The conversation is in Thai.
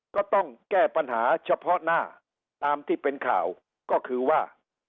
ก็ต้องแก้ปัญหาเฉพาะหน้าตามที่เป็นข่าวก็คือว่า